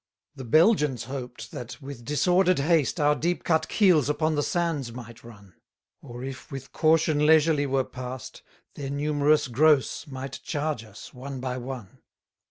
182 The Belgians hoped, that, with disorder'd haste, Our deep cut keels upon the sands might run: Or, if with caution leisurely were past, Their numerous gross might charge us one by one.